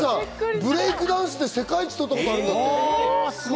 ブレイクダンスで世界一を取ったことがあるんだ！